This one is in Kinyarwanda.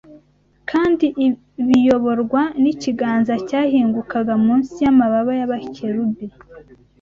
kandi biyoborwa n’ikiganza cyahingukaga munsi y’amababa y’abakerubi